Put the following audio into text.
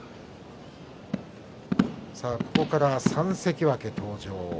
ここから３関脇登場。